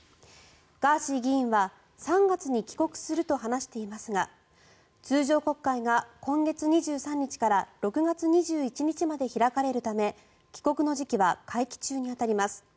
ガーシー議員は３月に帰国すると話していますが通常国会が今月２３日から６月２１日まで開かれるため帰国の時期は会期中に当たります。